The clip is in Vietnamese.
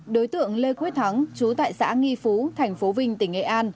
đối tượng lê quyết thắng chú tại xã nghi phú tp vinh tỉnh nghệ an